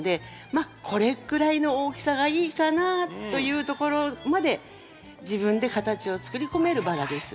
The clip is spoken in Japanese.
まあこれくらいの大きさがいいかなというところまで自分で形をつくり込めるバラです。